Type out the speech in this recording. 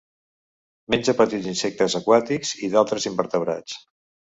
Menja petits insectes aquàtics i d'altres invertebrats.